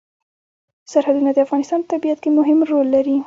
سرحدونه د افغانستان په طبیعت کې مهم رول لري.